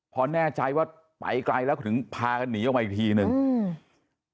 พอแน่ใจว่าไปไกลแล้วถึงพากันหนีออกมาอีกทีหนึ่งอืม